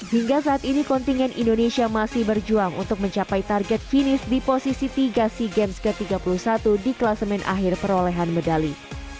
hingga saat ini kontingen indonesia masih berjuang untuk mencapai target finish di posisi tiga sea games ke tiga puluh satu di kelasemen akhir perolehan medali